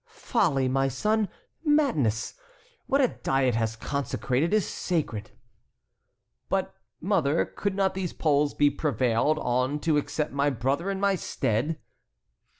"Folly, my son, madness! What a Diet has consecrated is sacred." "But, mother, could not these Poles be prevailed on to accept my brother in my stead?"